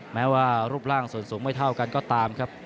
แม้ว่ารูปฝนสูงไม่เท่ากันก็ตาม